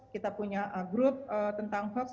kita punya grup tentang hoax